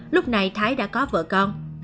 lúc này thái đã có vợ con